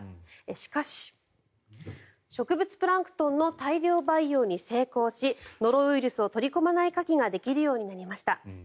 しかし、植物プランクトンの大量培養に成功しノロウイルスを取り込まないカキができるようになりました。